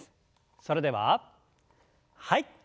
それでははい。